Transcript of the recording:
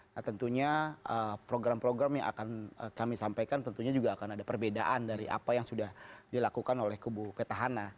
nah tentunya program program yang akan kami sampaikan tentunya juga akan ada perbedaan dari apa yang sudah dilakukan oleh kubu petahana